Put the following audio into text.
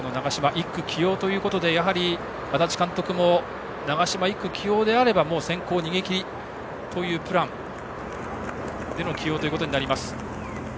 １区起用ということでやはり足立監督も長嶋１区起用であれば先行逃げ切りというプランでの起用ということになります。